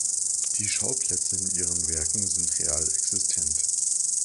Die Schauplätze in ihren Werken sind real existent.